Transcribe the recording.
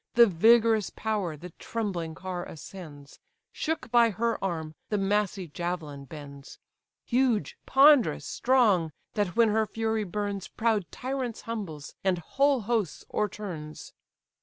The vigorous power the trembling car ascends: Shook by her arm, the massy javelin bends: Huge, ponderous, strong! that when her fury burns Proud tyrants humbles, and whole hosts o'erturns.